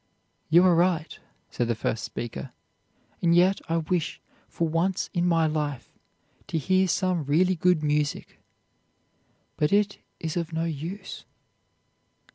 'You are right,' said the first speaker, 'and yet I wish for once in my life to hear some really good music. But it is of no use.'